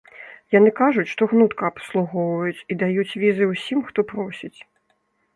Яны кажуць, што гнутка абслугоўваюць і даюць візы ўсім, хто просіць.